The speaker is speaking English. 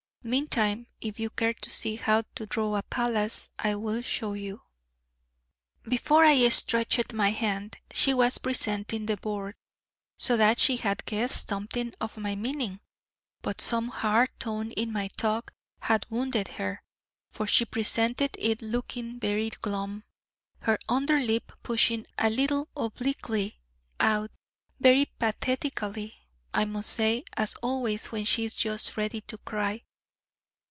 Meantime, if you care to see how to draw a palace I will show you.' Before I stretched my hand, she was presenting the board so that she had guessed something of my meaning! But some hard tone in my talk had wounded her, for she presented it looking very glum, her under lip pushing a little obliquely out, very pathetically, I must say, as always when she is just ready to cry.